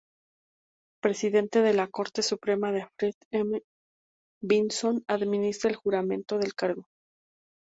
Presidente de la Corte Suprema de Fred M. Vinson administra el juramento del cargo.